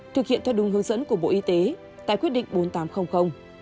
thực hiện theo đúng hướng dẫn của bộ y tế tại quyết định bốn nghìn tám trăm linh